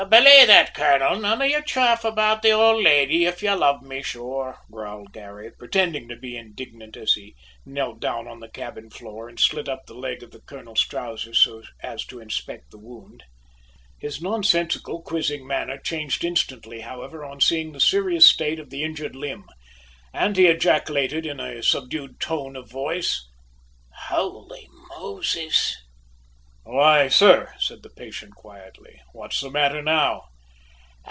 "Belay that, colonel; none o' your chaff about the ould leddy, if you love me, sure!" growled Garry, pretending to be indignant as he knelt down on the cabin floor and slit up the leg of the colonel's trousers so as to inspect the wound. His nonsensical, quizzing manner changed instantly, however, on seeing the serious state of the injured limb, and he ejaculated in a subdued tone of voice, "Holy Moses!" "Why, sir," said the patient quietly, "what's the matter now?"